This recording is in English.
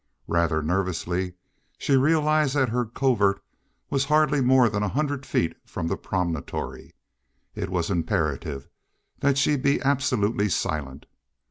Rather nervously she realized that her covert was hardly more than a hundred feet from the promontory. It was imperative that she be absolutely silent.